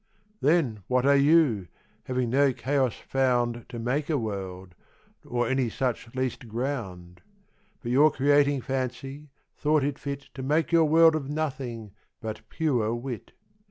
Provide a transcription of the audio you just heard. Then what are You, having no Chaos found To make a World, or any such least ground? But your Creating Fancy, thought it fit To make your World of Nothing, but pure Wit.